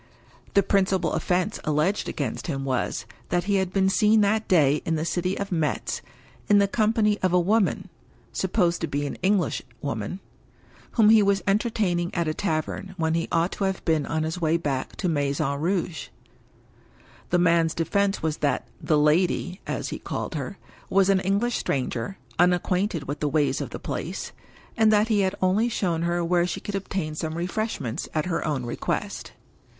The principal offense alleged against him was, that he had been seen that day in the city of Metz, in the company of a woman (supposed to be an Englishwoman), whom he was entertaining at a tavern, when he ought to have been on his way back to. Maison Rouge. The man's defense was that "the lady" (as he called her) was an English stranger, unacquainted with the ways of the place, and that he had only shown her where she could obtain some refreshments at her own request.